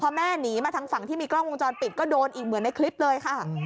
พอแม่หนีมาทางฝั่งที่มีกล้องวงจรปิดก็โดนอีกเหมือนในคลิปเลยค่ะ